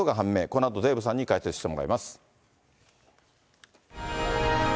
このあとデーブさんに解説してもらいます。